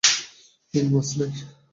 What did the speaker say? কোন মাছ নেই।